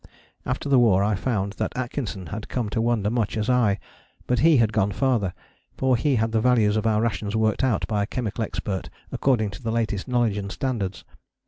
After the war I found that Atkinson had come to wonder much as I, but he had gone farther, for he had the values of our rations worked out by a chemical expert according to the latest knowledge and standards.